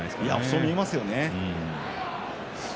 そう見えますよね。